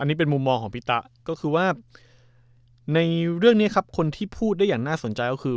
อันนี้เป็นมุมมองของพี่ตะก็คือว่าในเรื่องนี้ครับคนที่พูดได้อย่างน่าสนใจก็คือ